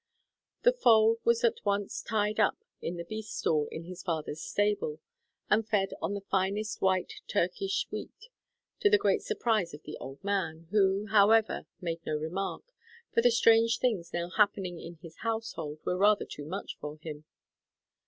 The foal was at once tied up in the beast stall in his father's stable, and fed on the finest white Turkish wheat to the great surprise of the old man, who, however, made no remark, for the strange things now happening in his household were rather too much for him.